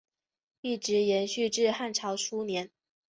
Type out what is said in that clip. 一直延续至汉朝初年。